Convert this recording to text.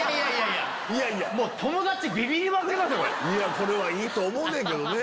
これはいいと思うねんけどね。